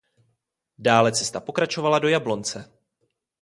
Dále cesta pokračovala do Jablonce.